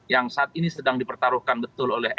yang saat ini sedang dipertaruhkan betul oleh